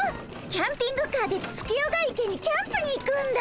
キャンピングカーで月夜が池にキャンプに行くんだ。